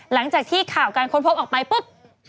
หลังจากที่ข่าวการค้นพบออกไปปุ๊บ